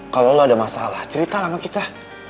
kalau lo ada masalah cerita lah sama kita